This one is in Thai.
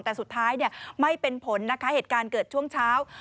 แต่สุดท้ายไม่เป็นผลนะคะเหตุการณ์เกิดช่วงเช้า